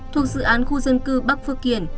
thuộc dự án khu dân cư bắc phước kiển